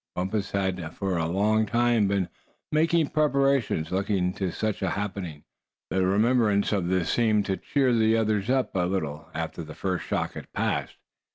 Bumpus had for a long time been making preparations looking to such a happening. The remembrance of this seemed to cheer the others up a little, after the first shock had passed.